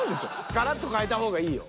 ガラッと変えた方がいいよ。